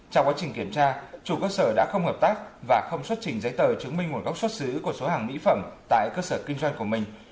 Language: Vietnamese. trong quá trình kiểm tra chủ cơ sở đã không hợp tác và không xuất trình giấy tờ chứng minh nguồn gốc xuất xứ của số hàng mỹ phẩm tại cơ sở kinh doanh của mình